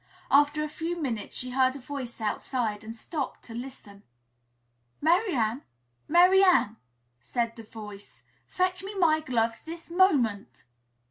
After a few minutes she heard a voice outside and stopped to listen. "Mary Ann! Mary Ann!" said the voice. "Fetch me my gloves this moment!"